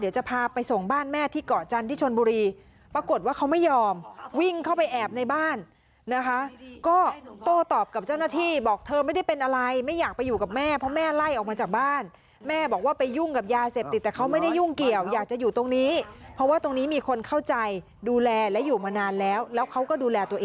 เดี๋ยวจะพาไปส่งบ้านแม่ที่เกาะจันทร์ที่ชนบุรีปรากฏว่าเขาไม่ยอมวิ่งเข้าไปแอบในบ้านนะคะก็โต้ตอบกับเจ้าหน้าที่บอกเธอไม่ได้เป็นอะไรไม่อยากไปอยู่กับแม่เพราะแม่ไล่ออกมาจากบ้านแม่บอกว่าไปยุ่งกับยาเสพติดแต่เขาไม่ได้ยุ่งเกี่ยวอยากจะอยู่ตรงนี้เพราะว่าตรงนี้มีคนเข้าใจดูแลและอยู่มานานแล้วแล้วเขาก็ดูแลตัวเอง